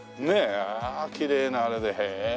ああきれいなあれでへえ。